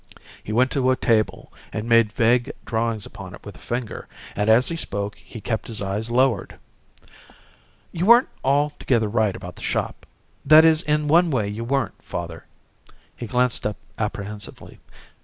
He went to a table and made vague drawings upon it with a finger, and as he spoke he kept his eyes lowered. "You weren't altogether right about the shop that is, in one way you weren't, father." He glanced up apprehensively.